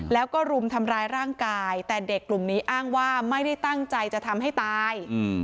แล้วก็รุมทำร้ายร่างกายแต่เด็กกลุ่มนี้อ้างว่าไม่ได้ตั้งใจจะทำให้ตาย